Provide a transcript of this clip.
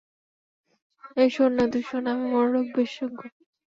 এই শোন-- -না, তুই শোন আমি মনোরোগ বিশেষজ্ঞ।